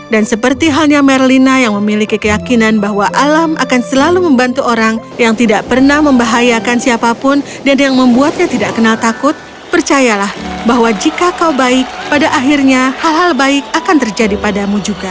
dan seperti halnya merlina yang memiliki keyakinan bahwa alam akan selalu membantu orang yang tidak pernah membahayakan siapapun dan yang membuatnya tidak kenal takut percayalah bahwa jika kau baik pada akhirnya hal hal baik akan terjadi padamu juga